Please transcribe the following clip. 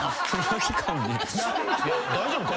大丈夫か？